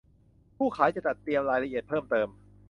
ผู้ขายจะจัดเตรียมรายละเอียดเพิ่มเติม